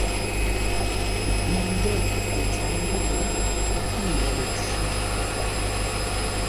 Ndə̂ tə tsát nzúʼú, ndə̂ ləcwî.